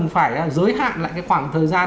phải giới hạn lại cái khoảng thời gian